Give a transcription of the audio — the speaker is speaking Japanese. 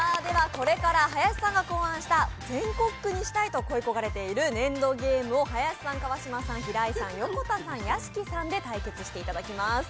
これから林さんが考案した全国区にしたいと恋い焦がれている粘土ゲームを林さん、川島さん、平井さん、横田さん、屋敷さんで対決していただきます。